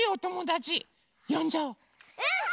うん！